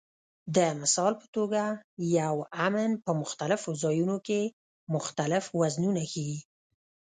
د مثال په توګه یو "امن" په مختلفو ځایونو کې مختلف وزنونه ښيي.